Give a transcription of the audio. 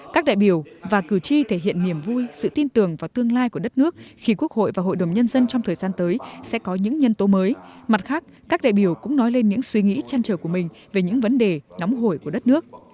các đại biểu và cử tri thể hiện niềm vui sự tin tưởng vào tương lai của đất nước khi quốc hội và hội đồng nhân dân trong thời gian tới sẽ có những nhân tố mới mặt khác các đại biểu cũng nói lên những suy nghĩ trăn trở của mình về những vấn đề nóng hổi của đất nước